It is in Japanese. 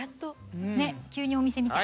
ねっ急にお店みたい。